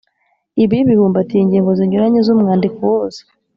Ibi bibumbatiye ingingo zinyuranye z’umwandiko wose